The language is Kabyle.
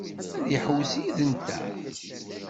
Ad iḥewwes yid-nteɣ?